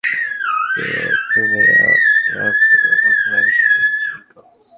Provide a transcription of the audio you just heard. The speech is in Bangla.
তো তুমি রাবণকে তোমার বন্ধু বানিয়েছো, রিংকু।